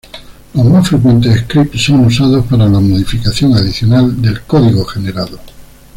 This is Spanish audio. Los más frecuentes scripts son usados para la modificación adicional del código generado.